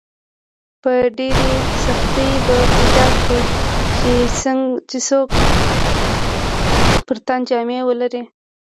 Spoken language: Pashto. په ډېرې سختۍ به پیدا کړې چې څوک پر تن جامې ولري.